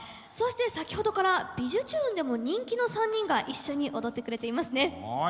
そして先ほどから「びじゅチューン！」でも人気の３人が一緒に踊ってくれていますね。